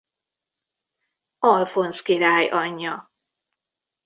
Alfonz király anyja.